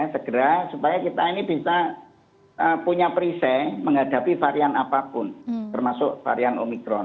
segera supaya kita ini bisa punya perisai menghadapi varian apapun termasuk varian omikron